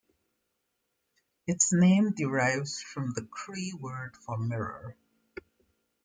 Its name derives from the Cree word for mirror.